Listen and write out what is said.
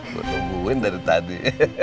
gue nungguin dari tadi